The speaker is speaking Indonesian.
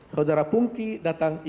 saudara pungki datang